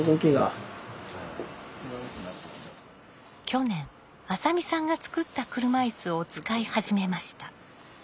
去年浅見さんが作った車いすを使い始めました。